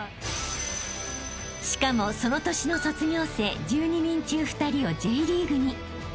［しかもその年の卒業生１２人中２人をＪリーグに］